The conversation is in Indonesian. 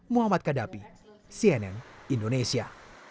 muhammad kadapi cnn indonesia